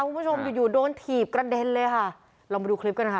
คุณผู้ชมอยู่อยู่โดนถีบกระเด็นเลยค่ะลองไปดูคลิปกันนะคะ